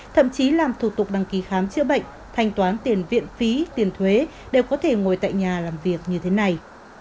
thậm chí làm thủ tục đăng ký khám chữa bệnh thanh toán tiền viện phí tiền thuế đều có thể ngồi tại nhà làm việc như thế này